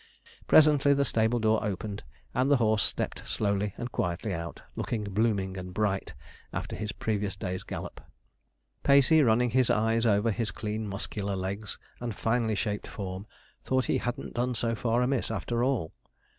Presently the stable door opened, and the horse stepped slowly and quietly out, looking blooming and bright after his previous day's gallop. Pacey, running his eyes over his clean muscular legs and finely shaped form, thought he hadn't done so far amiss after all.